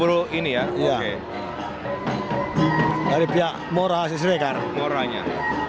baru ini ya ok ya rhajkya dan sri ke depannya